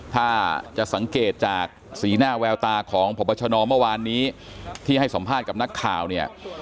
ถ้าจะสังเกตจากสีหน้าแววตาของพบชนเมื่อวานนี้ที่ให้สัมภาษณ์กับนักข่าวเนี่ย